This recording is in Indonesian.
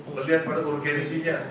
melihat pada urgensinya